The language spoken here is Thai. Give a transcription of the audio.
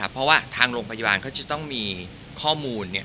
เพราะว่าทางโรงพยาบาลเขาจะต้องมีข้อมูล